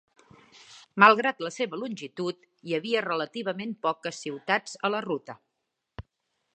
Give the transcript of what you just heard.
Malgrat la seva longitud, hi havia relativament poques ciutats a la ruta.